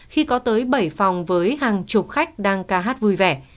khi có tới bảy phòng với hàng chục khách đang ca hát vui vẻ